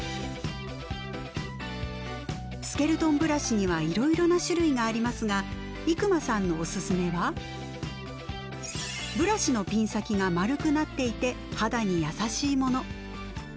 スケルトンブラシにはいろいろな種類がありますが伊熊さんのおすすめはブラシのピン先が丸くなっていて肌に優しいもの。